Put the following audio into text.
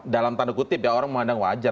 dalam tanda kutip ya orang memandang wajar